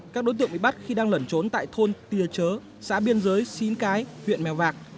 các đối tượng bị bắt khi đang lẩn trốn tại thôn tìa chớ xã biên giới xín cái huyện mèo vạc